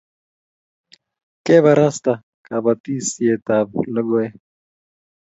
Keparasta kapatisiet ab lokoek